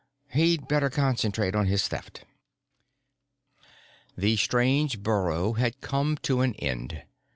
He'd better concentrate on his Theft. The strange burrow had come to an end.